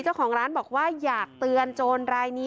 เจ้าของร้านบอกว่าอยากเตือนโจรรายนี้